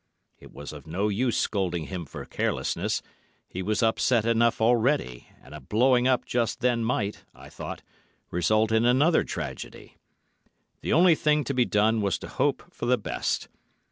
It was of no use scolding him for carelessness—he was upset enough already, and a 'blowing up' just then might, I thought, result in another tragedy. The only thing to be done was to hope for the best.